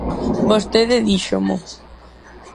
Vostede díxomo.